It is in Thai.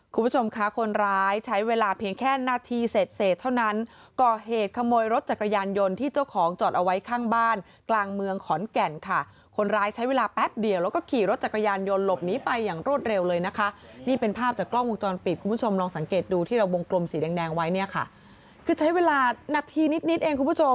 คุณผู้ชมคะคนร้ายใช้เวลาเพียงแค่นาทีเสร็จเสร็จเท่านั้นก่อเหตุขโมยรถจักรยานยนต์ที่เจ้าของจอดเอาไว้ข้างบ้านกลางเมืองขอนแก่นค่ะคนร้ายใช้เวลาแป๊บเดียวแล้วก็ขี่รถจักรยานยนต์หลบหนีไปอย่างรวดเร็วเลยนะคะนี่เป็นภาพจากกล้องวงจรปิดคุณผู้ชมลองสังเกตดูที่เราวงกลมสีแดงแดงไว้เนี่ยค่ะคือใช้เวลานาทีนิดนิดเองคุณผู้ชม